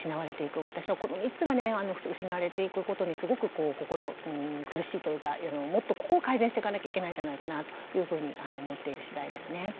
私はこの３つがね失われていくことにすごく心苦しいというかもっとここを改善していかなきゃいけないんじゃないかなというふうに思っている次第ですね。